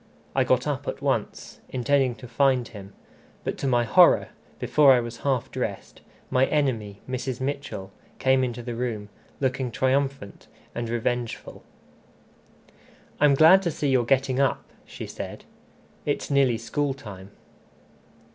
I got up at once, intending to find him; but, to my horror, before I was half dressed, my enemy, Mrs. Mitchell, came into the room, looking triumphant and revengeful. "I'm glad to see you're getting up," she said; "it's nearly school time."